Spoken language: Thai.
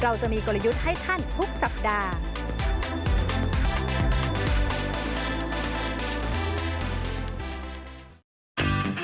เราจะมีกลยุทธ์ให้ท่านทุกสัปดาห์